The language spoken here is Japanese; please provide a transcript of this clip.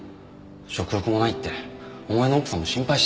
食欲もないってお前の奥さんも心配してる。